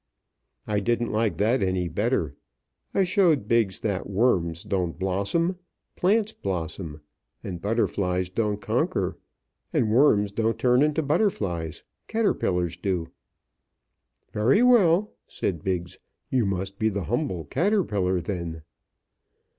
I didn't like that any better. I showed Biggs that worms don't blossom. Plants blossom. And butterflies don't conquer. And worms don't turn into butterflies caterpillars do. "Very well," said Biggs, "you must be the humble caterpillar, then."